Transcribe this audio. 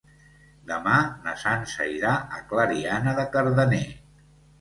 Demà na Sança irà a Clariana de Cardener.